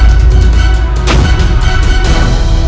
buat onar tadi hadapkan mereka kepada baik